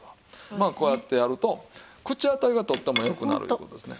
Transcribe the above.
まあこうやってやると口当たりがとっても良くなるという事ですね。